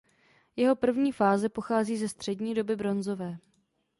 Jeho první fáze pochází ze střední doby bronzové.